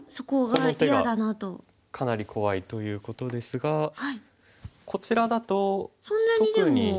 この手がかなり怖いということですがこちらだと特に。